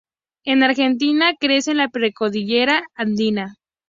En Argentina crece en la precordillera andina.